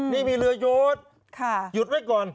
นี่มีเรือโยดหยุดไว้ก่อน